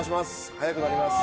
速くなります。